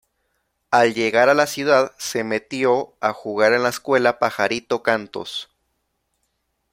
Al llegar a la ciudad se metió a jugar en la escuela Pajarito Cantos.